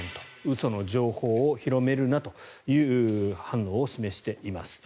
嘘の情報を広めるなという反応を示しています。